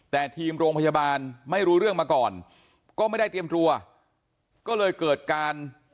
แต่ทีมโรงพยาบาลไม่รู้เรื่องมาก่อนก็ไม่ได้เตรียมตัวก็เลยเกิดการ